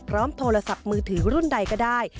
โทรศัพท์มือถือรุ่นใดก็ได้